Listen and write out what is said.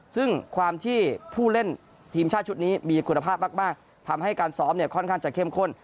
ซึ่งความที่ผู้เล่นทีมชาติชุดนี้มีคุณภาพมากทำให้การซ้อมเนี่ยค่อนข้างจะเข้มข้น